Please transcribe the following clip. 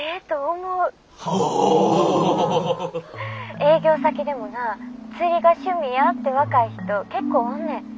営業先でもな釣りが趣味やって若い人結構おんねん。